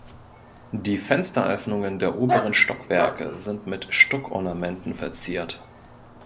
Die Fensteröffnungen der oberen Stockwerke sind mit Stuckornamenten verziert.